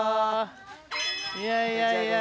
いやいやいやいや。